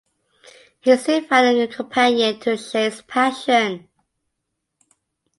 He soon found a companion to share his passion.